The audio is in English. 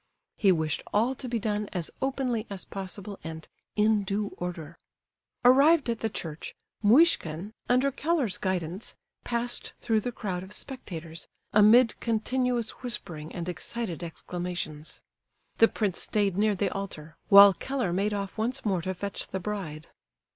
He wished all to be done as openly as possible, and "in due order." Arrived at the church, Muishkin, under Keller's guidance, passed through the crowd of spectators, amid continuous whispering and excited exclamations. The prince stayed near the altar, while Keller made off once more to fetch the bride.